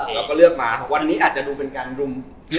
เราก็เลือกมาวันนี้อาจจะดูเป็นการรุม